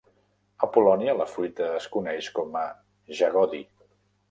A Polònia, la fruita es coneix com a "jagody".